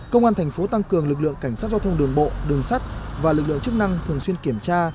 công an thành phố tăng cường lực lượng cảnh sát giao thông đường bộ đường sắt và lực lượng chức năng thường xuyên kiểm tra